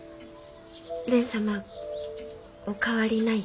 蓮様お変わりない？